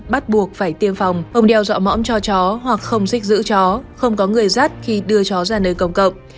bắt buộc phải tiêm phòng không đeo dọa mõm cho chó hoặc không xích giữ chó không có người rắt khi đưa chó ra nơi công cộng